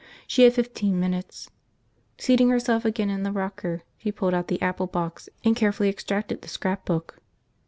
She had fifteen minutes. Seating herself again in the rocker, she pulled out the apple box and carefully extracted the scrapbook.